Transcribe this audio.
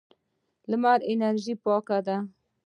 لمر انرژي پاکه ده.